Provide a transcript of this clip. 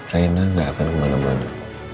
raina gak akan kemana mana